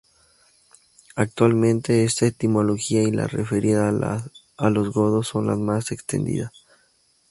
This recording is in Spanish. Actualmente, esta etimología y la referida a los godos son las más extendidas.